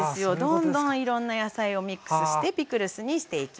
どんどんいろんな野菜をミックスしてピクルスにしていきます。